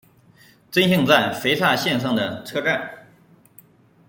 真幸站肥萨线上的车站。